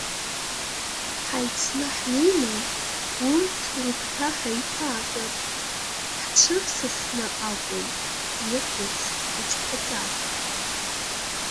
Ҳаицны ҳнеины, урҭ рыгәҭа ҳаиҭаатәап, ҳҽырсасны акәым, ирбац хәыҷқәаҵас.